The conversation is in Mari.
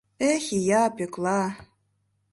Эх, ия, Пӧкла!